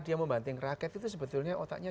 dia membanting rakyat itu sebetulnya otaknya